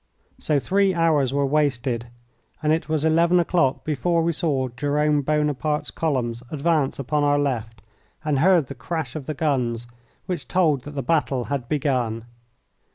So three hours were wasted, and it was eleven o'clock before we saw Jerome Buonaparte's columns advance upon our left and heard the crash of the guns which told that the battle had begun.